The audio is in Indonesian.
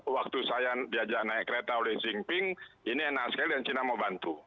waktu saya diajak naik kereta oleh xing pink ini enak sekali dan cina mau bantu